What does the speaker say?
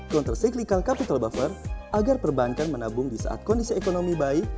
counter cyclical capital buffer agar perbankan menabung di saat kondisi ekonomi baik